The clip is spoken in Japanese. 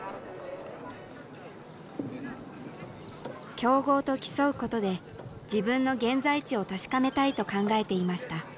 強豪と競うことで自分の現在地を確かめたいと考えていました。